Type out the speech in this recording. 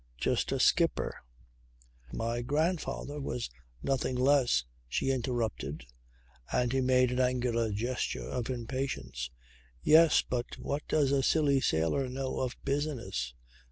Just a skipper " "My grandfather was nothing else," she interrupted. And he made an angular gesture of impatience. "Yes. But what does a silly sailor know of business?